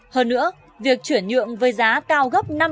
hơn nữa việc chuyển nhượng với giá cao gấp năm